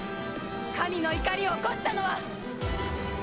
神の怒りを起こしたのはお前か！？